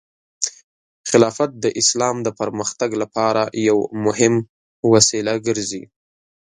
خلافت د اسلام د پرمختګ لپاره یو مهم وسیله ګرځي.